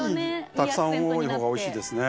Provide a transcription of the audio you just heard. たくさん多いほうがおいしいですね